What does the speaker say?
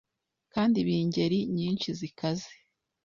kandi bingeri nyinshi zikaze